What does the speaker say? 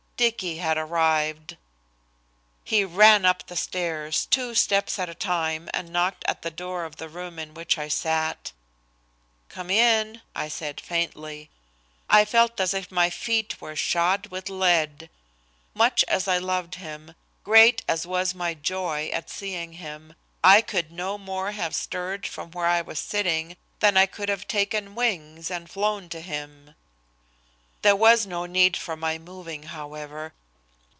Dicky had arrived! He ran up the stairs, two steps at a time, and knocked at the door of the room in which I sat. "Come in," I said faintly. I felt as if my feet were shod with lead. Much as I loved him, great as was my joy at seeing him, I could no more have stirred from where I was sitting than I could have taken wings and flown to him. There was no need for my moving, however.